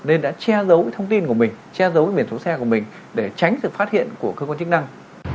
nên đã che giấu thông tin của mình che giấu biển số xe của mình để tránh sự phát hiện của cơ quan chức năng